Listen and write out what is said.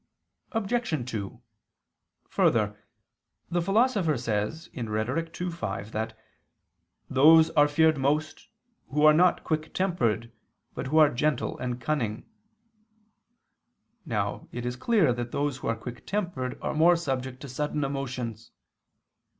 Obj. 2: Further, the Philosopher says (Rhet. ii, 5) that "those are feared most, not who are quick tempered, but who are gentle and cunning." Now it is clear that those who are quick tempered are more subject to sudden emotions.